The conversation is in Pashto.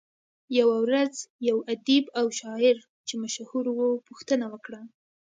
يوه ورځ يو ادیب او شاعر چې مشهور وو پوښتنه وکړه.